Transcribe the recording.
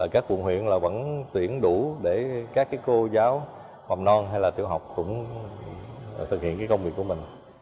các quận huyện vẫn tuyển đủ để các cô giáo mầm non hay là tiểu học cũng thực hiện công việc của mình